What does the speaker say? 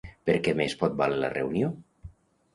Per què més pot valer la reunió?